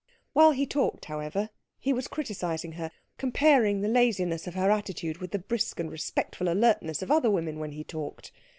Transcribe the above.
While he talked, however, he was criticising her, comparing the laziness of her attitude with the brisk and respectful alertness of other women when he talked.